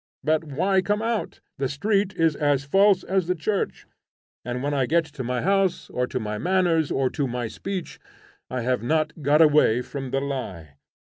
But why come out? the street is as false as the church, and when I get to my house, or to my manners, or to my speech, I have not got away from the lie.